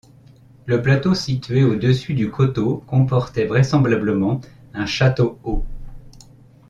Le plateau situé au-dessus du coteau comportait vraisemblablement un château haut.